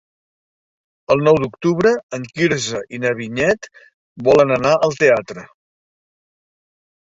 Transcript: El nou d'octubre en Quirze i na Vinyet volen anar al teatre.